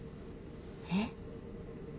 えっ？